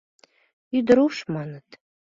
Ӱдыр уш, маныт...